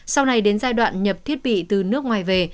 sau này đến giai đoạn nhập thiết bị từ nước ngoài về